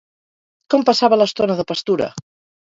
Com passava l'estona de pastura?